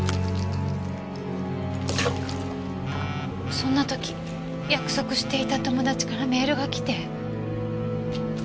そんな時約束していた友達からメールが来て。